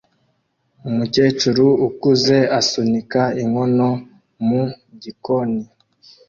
Umukecuru ukuze asunika inkono mu gikoni